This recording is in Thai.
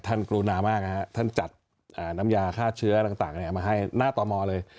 กรุณามากท่านจัดน้ำยาฆ่าเชื้อต่างมาให้หน้าตมเลย